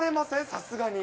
さすがに。